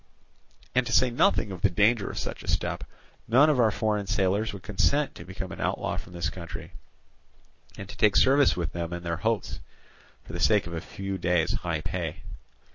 And to say nothing of the danger of such a step, none of our foreign sailors would consent to become an outlaw from his country, and to take service with them and their hopes, for the sake of a few days' high pay.